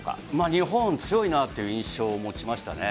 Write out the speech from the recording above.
日本、強いなっていう印象を持ちましたね。